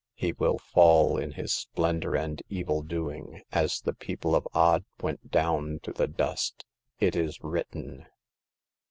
He will fall in his splendor and evil doing, as the people of Od went down to the dust. It is written."